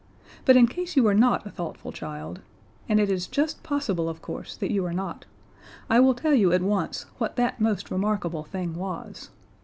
But in case you are not a thoughtful child and it is just possible of course that you are not I will tell you at once what that most remarkable thing was.